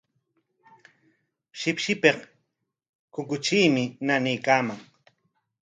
Shipshipik kukutriimi nanaykaaman.